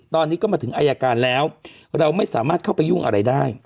ตอนนี้ก็มาถึงอายการแล้วเราไม่สามารถเข้าไปยุ่งอะไรได้